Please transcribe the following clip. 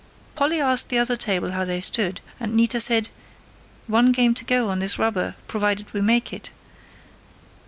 "Polly asked the other table how they stood, and Nita said, 'One game to go on this rubber, provided we make it....'